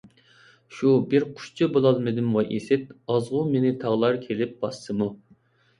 شۇ بىر قۇشچە بولالمىدىم ۋاي ئىسىت، ئازغۇ مېنى تاغلار كېلىپ باسسىمۇ.